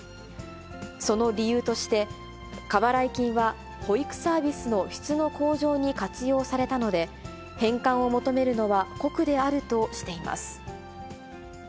その理由として、過払い金は保育サービスの質の向上に活用されたので、返還を求めるのは酷であるとしています。